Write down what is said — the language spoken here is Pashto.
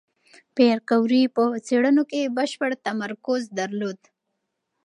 پېیر کوري په څېړنو کې بشپړ تمرکز درلود.